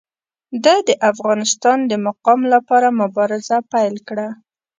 ده د افغانستان د مقام لپاره مبارزه پیل کړه.